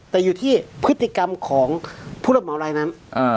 แต่อยู่ที่พฤติกรรมของผู้รับเหมารายนั้น